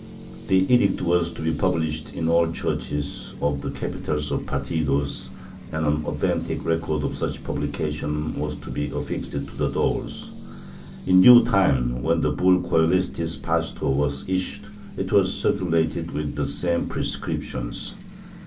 This edict was to be published in all churches of the capitals of partidos and an authentic record of such pul^lication was to be affixed to the doors. In due time, when the bull Ccdestis pastor was issued, it was circulated with the same prescriptions.